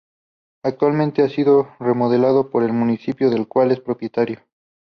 Actualmente ha sido remodelado por el Municipio del cual es propietario.